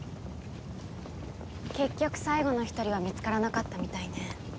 結局最後の一人は見つからなかったみたいね。